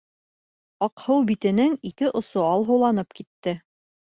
Аҡһыу битенең ике осо алһыуланып китте.